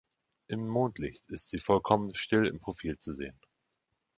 Im Mondlicht ist sie vollkommen still im Profil zu sehen.